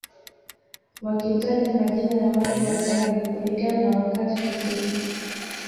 Wakitaja majina ya watu wa kale kulingana na wakati husika